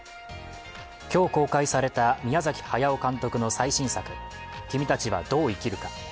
今日公開された宮崎駿監督の最新作「君たちはどう生きるか」。